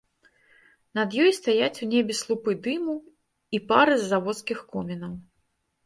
Над ёй стаяць у небе слупы дыму і пары з заводскіх комінаў.